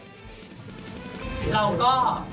เราก็